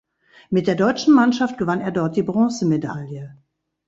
Mit der deutschen Mannschaft gewann er dort die Bronzemedaille.